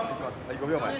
５秒前。